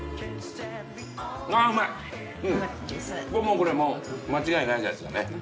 これもう間違いないんじゃないですかね。